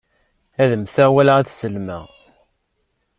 Ad mmteɣ wala ad sellmeɣ.